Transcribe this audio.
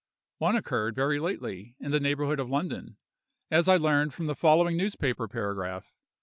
One occurred very lately in the neighborhood of London, as I learned from the following newspaper paragraph.